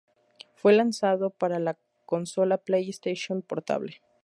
Fue lanzado para la consola PlayStation Portable.